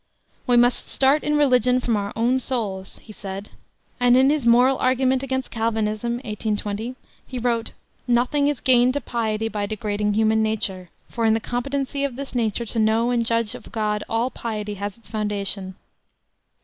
"We must start in religion from our own souls," he said. And in his Moral Argument against Calvinism, 1820, he wrote: "Nothing is gained to piety by degrading human nature, for in the competency of this nature to know and judge of God all piety has its foundation."